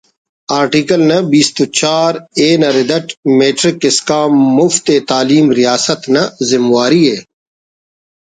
آرٹیکل نا بیست و چار-A نا ردا ٹ میٹرک اسکان مفت ءِ تعلیم ریاست نا زمواری ءِ